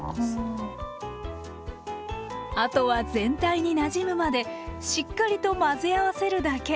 あとは全体になじむまでしっかりと混ぜ合わせるだけ。